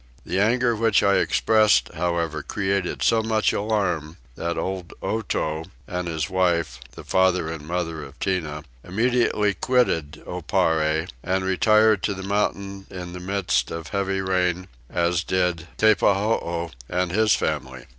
The anger which I expressed however created so much alarm that old Otow and his wife (the father and mother of Tinah) immediately quitted Oparre, and retired to the mountains in the midst of heavy rain, as did Teppahoo and his family.